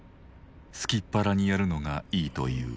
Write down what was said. すきっ腹にやるのがいいという。